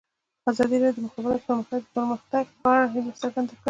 ازادي راډیو د د مخابراتو پرمختګ د پرمختګ په اړه هیله څرګنده کړې.